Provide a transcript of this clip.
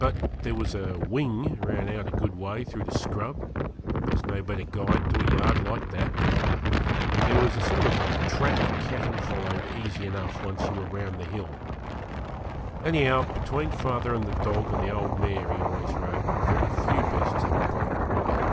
But there was a 'wing' ran out a good way through the scrub there's no better guide to a yard like that and there was a sort of track cattle followed easy enough once you were round the hill. Anyhow, between father and the dog and the old mare he always rode, very few beasts ever broke away.